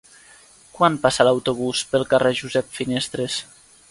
Quan passa l'autobús pel carrer Josep Finestres?